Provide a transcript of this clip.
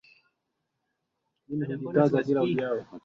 Yanga Ruge alikuwa mstari wa mbele katika kuitangaza na ikateka nchi alisema